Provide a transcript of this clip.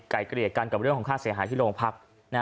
เกลียดกันกับเรื่องของค่าเสียหายที่โรงพัก